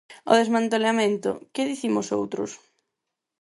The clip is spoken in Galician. O desmantelamento, que dicimos outros.